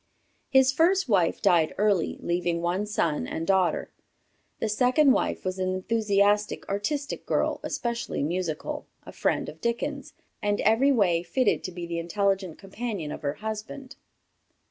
His first wife died early, leaving one son and daughter. The second wife was an enthusiastic, artistic girl, especially musical, a friend of Dickens, and every way fitted to be the intelligent companion of her husband.